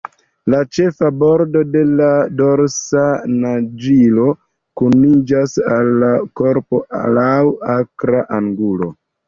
La ĉefa bordo de la dorsa naĝilo kuniĝas al la korpo laŭ akra angulo.